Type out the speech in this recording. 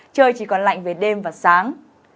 trời chỉ còn lạnh về đêm và sáng